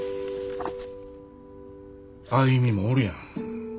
歩もおるやん。